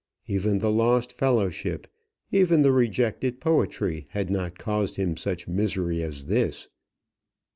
Even the lost fellowship, even the rejected poetry, had not caused him such misery as this.